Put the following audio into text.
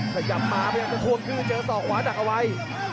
ขยับมาเดี๋ยวจะทวงทิ้งเจอส่อขวาหนักเอาไว้